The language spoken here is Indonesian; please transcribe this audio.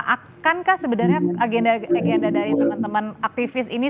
akan kah sebenarnya agenda agenda dari teman teman aktivis ini